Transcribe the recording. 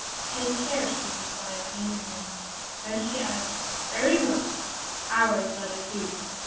"Take care!" she replied, meaningly, then she added: "Very well! Ours let it be.